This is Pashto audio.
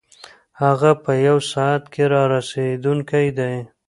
هغه په یوه ساعت کې رارسېدونکی دی.